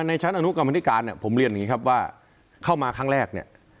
ในชั้นอนุกรรมธิการเนี่ยผมเรียนอย่างนี้ครับว่าเข้ามาครั้งแรกเนี่ย